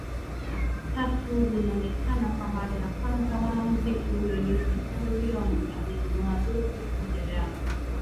tatu lilonekana kwa mara ya kwanza Mwanamuziki huyo Jose Chameleone alinunua jozi moja ya